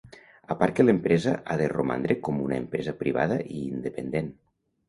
A part que l'empresa ha a romandre com una empresa privada i independent.